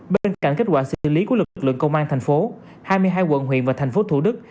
bên cạnh kết quả xử lý của lực lượng công an thành phố hai mươi hai quận huyện và thành phố thủ đức